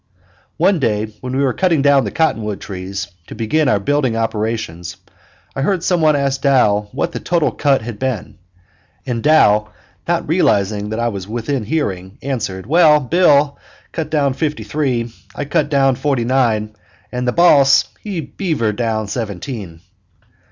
One day when we were cutting down the cottonwood trees, to begin our building operations, I heard some one ask Dow what the total cut had been, and Dow not realizing that I was within hearing, answered: "Well, Bill cut down fifty three, I cut forty nine, and the boss he beavered down seventeen."